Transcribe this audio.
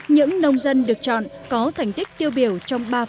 những nông dân được chọn có thành tích tiêu biểu trong ba phong trang